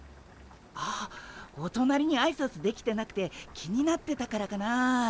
ああおとなりにあいさつできてなくて気になってたからかなあ。